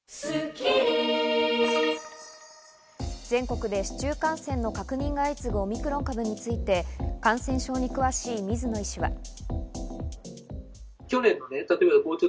全国で市中感染の確認が相次ぐオミクロン株について、感染症に詳しい水野医師は。